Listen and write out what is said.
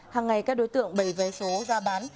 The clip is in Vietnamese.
hàng ngày các đối tượng bày vé số ra bán